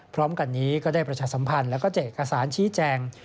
พร้อมกันนี้ก็ได้ประชาสัมพันธ์แล้วก็แจกเอกสารชี้แจง